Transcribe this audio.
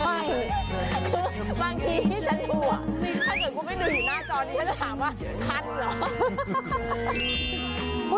ถ้าเกิดกูไม่ดูอยู่หน้าจอนี้ฉันจะถามว่าทันเหรอ